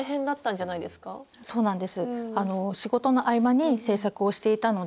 はいそうなんです。